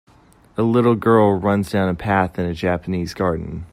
A little girl runs down a path in a Japanese garden